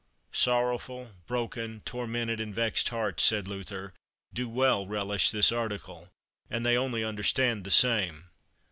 Sorrowful, broken, tormented, and vexed hearts, said Luther, do well relish this article, and they only understand the same.